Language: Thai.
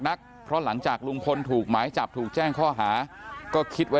นักเพราะหลังจากลุงพลถูกหมายจับถูกแจ้งข้อหาก็คิดไว้